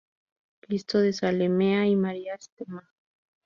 Cristo de Zalamea y Maria Stma.